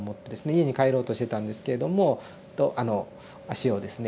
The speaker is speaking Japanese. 家に帰ろうとしてたんですけれども足をですね